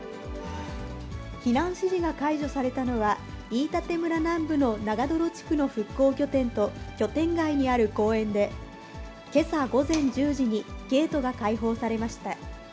避難指示が解除されたのは、飯舘村南部の長泥地区の復興拠点と拠点外にある公園で、けさ午前１０時にゲートが開放されました。